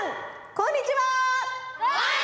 こんにちは！